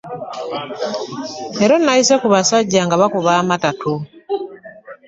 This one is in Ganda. Leero nayise ku basajja nga bakuba amatatu.